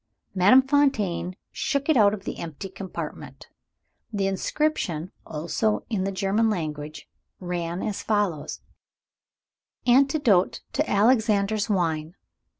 Madame Fontaine shook it out of the empty compartment. The inscription (also in the German language) ran as follows: "Antidote to Alexander's Wine.